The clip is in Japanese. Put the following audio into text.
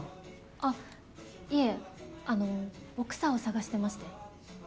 あっいえあのボクサーを捜してまして。